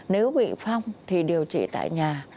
nếu bị phong thì điều trị tại nhà